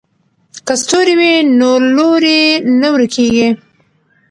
که ستوری وي نو لوری نه ورکیږي.